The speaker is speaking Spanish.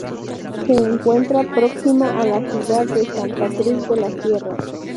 Se encuentra próxima a la ciudad de Santa Cruz de la Sierra.